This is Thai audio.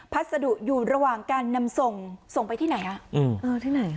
พัสดุอยู่ระหว่างการนำส่งส่งไปที่ไหนอ่ะที่ไหน